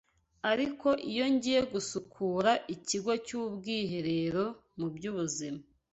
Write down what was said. Ariko iyo ngiye gusura ikigo cy’ubwiherero mu by’ubuzima